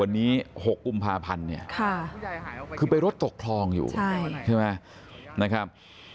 วันนี้๖กุมภาพันธ์เนี่ยคือไปรถตกคลองอยู่ใช่ไหมนะครับ